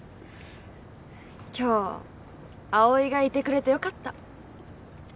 今日葵がいてくれてよかった。